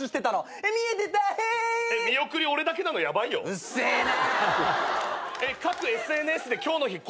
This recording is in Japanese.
うっせえな。